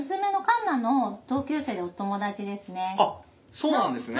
そうなんですね。